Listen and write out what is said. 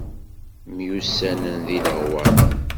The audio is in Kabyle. Myussanen deg Leɣwaṭ.